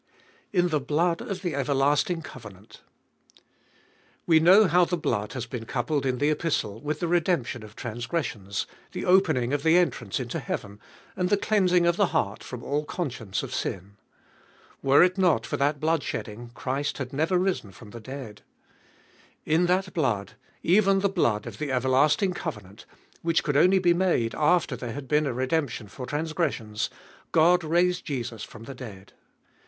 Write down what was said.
In the blood of the everlasting covenant. We know how the blood has been coupled in the Epistle with the redemption of transgressions, the opening of the entrance into heaven, and the cleansing of the heart from all conscience of sin. Were it not for that blood shedding Christ had never risen from the dead. In that blood, even the blood of the everlasting covenant, which could only be made after there had been a redemption for transgressions, God raised Jesus from the dead.